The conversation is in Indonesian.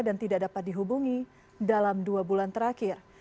dan tidak dapat dihubungi dalam dua bulan terakhir